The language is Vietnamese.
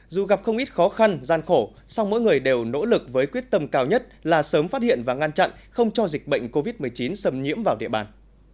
dù gặp không ít khó khăn gian khổ song mỗi người đều nỗ lực với quyết tâm cao nhất là sớm phát hiện và ngăn chặn không cho dịch bệnh covid một mươi chín xâm nhiễm vào địa bàn